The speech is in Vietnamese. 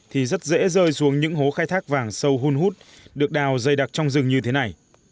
thì rất dễ rơi xuống những hố khai thác vàng sâu hun hút được đào dày đặc trong rừng như thế này